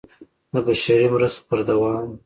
د بشري مرستو پر دوام